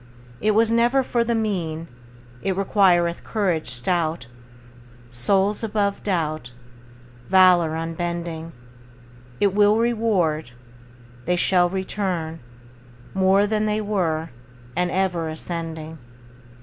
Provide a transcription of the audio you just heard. It was never for the mean; It requireth courage stout. Souls above doubt, Valor unbending, It will reward, They shall return More than they were, And ever ascending.